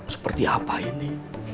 seperti apa ini